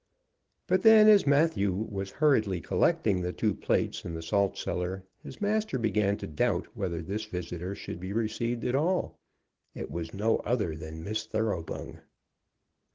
But then, as Matthew was hurriedly collecting the two plates and the salt cellar, his master began to doubt whether this visitor should be received at all. It was no other than Miss Thoroughbung.